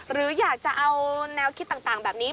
หรืออยากจะเอาแนวคิดต่างแบบนี้